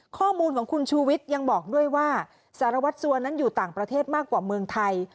ข้อมูลของคุณชูวิทย์ยังบอกด้วยว่าสารวัตรสัวนั้นอยู่ต่างประเทศมากกว่าเมืองไทย